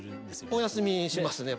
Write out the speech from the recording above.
お休みしますね。